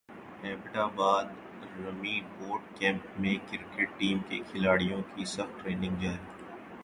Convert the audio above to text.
Abbott باد army boot camp میں cricket team کے کھلاڑیوں کی سخت ٹریننگ جاری